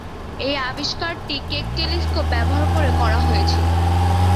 এই আবিষ্কারটি Keck telescope ব্যবহার করে করা হয়েছিল।